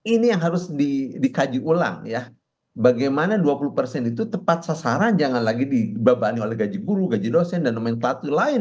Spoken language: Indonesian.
ini yang harus dikaji ulang ya bagaimana dua puluh persen itu tepat sasaran jangan lagi dibebani oleh gaji guru gaji dosen dan nomenklatur lain